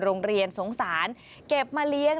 โรงเรียนสงสารเก็บมาเลี้ยง